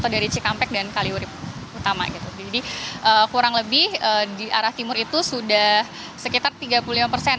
dan dari arah timur itu sudah sekitar tiga puluh lima persen